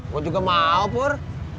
gue juga mau pur